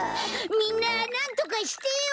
みんななんとかしてよ！